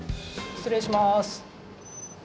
失礼します。